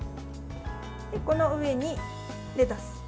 この上にレタス。